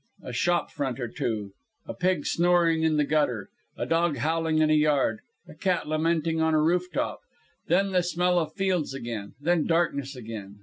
A shop front or two. A pig snoring in the gutter, a dog howling in a yard, a cat lamenting on a rooftop. Then the smell of fields again. Then darkness again.